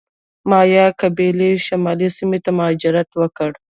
مایا قبیلې شمالي سیمو ته مهاجرت وکړ.